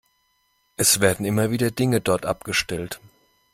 Es werden immer wieder Dinge dort abgestellt.